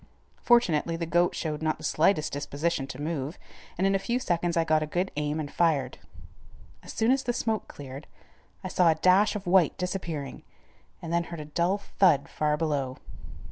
Fortunately, the goat showed not the slightest disposition to move and in a few seconds I got a good aim and fired. As soon as the smoke cleared, I saw a dash of white disappearing, and then heard a dull thud far below.